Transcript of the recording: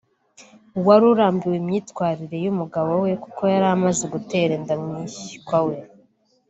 wari urambiwe imyitwarire y’umugabo we kuko yari amaze gutera inda mwishywa we